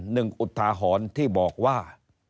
หนึ่งอุทธาหรณ์ที่บอกว่า